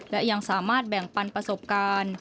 และยังสามารถแบ่งปันประสบการณ์